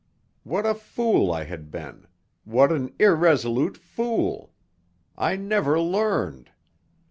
What a fool I had been! What an irresolute fool! I never learned.